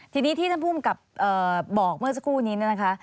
ทีนี้ที่ท่านผู้อำกับบอกเมื่อสักครู่นี้นะคะ